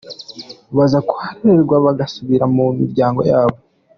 Baza kuharererwa bagasubira mu miryango yabo.